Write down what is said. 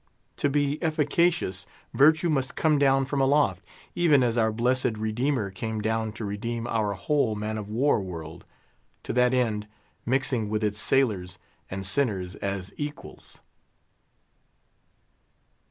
To be efficacious, Virtue must come down from aloft, even as our blessed Redeemer came down to redeem our whole man of war world; to that end, mixing with its sailors and sinners as equals.